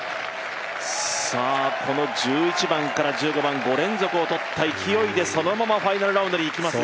この１１番から１５番、５連続をとった勢いでそのままファイナルラウンドにいきますが。